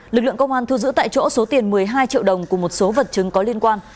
lực lượng công an thu giữ tại chỗ số tiền một mươi hai triệu đồng cùng một số vật chứng có liên quan